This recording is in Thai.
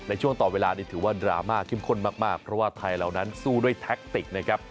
ในช่วงต่อเวลานี้ถือว่าดราม่าเข้มข้นมากเพราะว่าไทยเหล่านั้นสู้ด้วยแท็กติกนะครับ